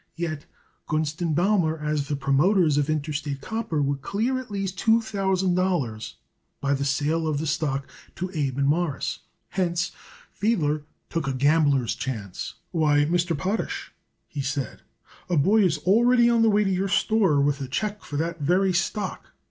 Yet Gunst & Baumer, as the promoters of Interstate Copper, would clear at least two thousand dollars by the sale of the stock to Abe and Morris; hence, Fiedler took a gambler's chance. "Why, Mr. Potash," he said, "a boy is already on the way to your store with a check for that very stock.